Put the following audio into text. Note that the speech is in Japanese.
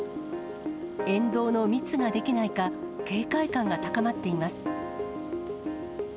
沿道の密ができないか、警戒感が高まっています。